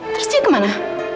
terus dia kemana